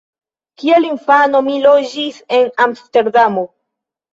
Kiel infano mi loĝis en Amsterdamo.